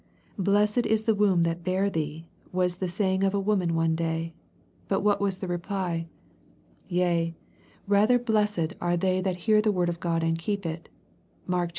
—" Blessed is the womb that bare thee," was the saying of a woman one day. But what was the reply ?^^ Yea I rather blessed are they 24 ajlpositoby thoughts. that hear the word of God and keep it/' (Mark iii.